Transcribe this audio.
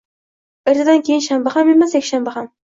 Ertadan keyin shanba ham emas, yakshanba ham